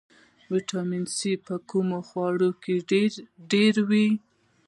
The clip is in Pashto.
ویټامین سي په کومو خوړو کې ډیر وي